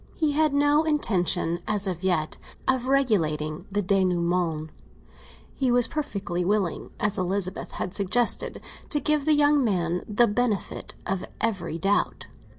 He had no intention, as yet, of regulating the dénouement. He was perfectly willing, as Elizabeth had suggested, to give the young man the benefit of every doubt.